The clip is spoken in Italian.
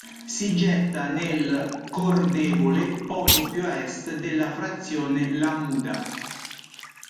Si getta nel Cordevole poco più a est della frazione La Muda.